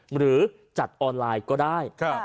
หรือจัดออนไลน์ก็ได้